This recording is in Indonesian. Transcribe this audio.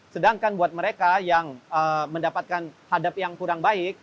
sedangkan buat mereka yang mendapatkan hadap yang kurang baik